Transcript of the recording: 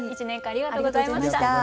１年間ありがとうございました。